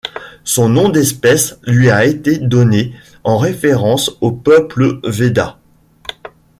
Son nom d'espèce lui a été donné en référence au peuple Vedda.